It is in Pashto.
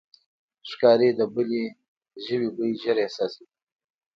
ښکاري د بلې ژوي بوی ژر احساسوي.